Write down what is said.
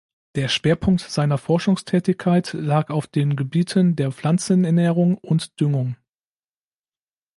Der Schwerpunkt seiner Forschungstätigkeit lag auf den Gebieten der Pflanzenernährung und Düngung.